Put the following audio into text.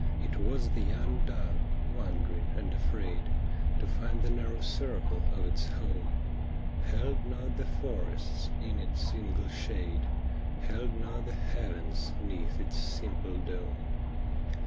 It was the young dove, wond'ring and afraid To find the narrow circle of its home Held not the forests in its ingle shade. Held not the Heavens 'neath its simple dome.